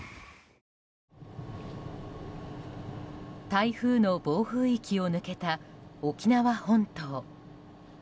台風の暴風域を抜けた沖縄本島。